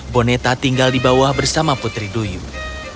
boneta tinggal di bawah bersama putri duyung